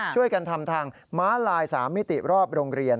ช่วยกันทำทางม้าลาย๓มิติรอบโรงเรียน